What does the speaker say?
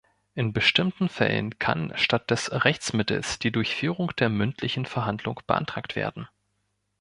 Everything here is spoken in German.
In bestimmten Fällen kann statt des Rechtsmittels die Durchführung der mündlichen Verhandlung beantragt werden.